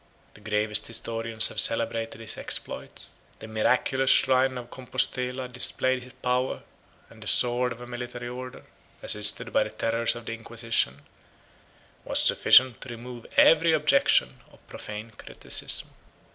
The gravest historians have celebrated his exploits; the miraculous shrine of Compostella displayed his power; and the sword of a military order, assisted by the terrors of the Inquisition, was sufficient to remove every objection of profane criticism.